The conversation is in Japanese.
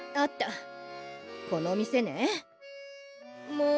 もう！